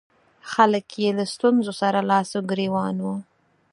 خلک یې له ستونزو سره لاس او ګرېوان وو.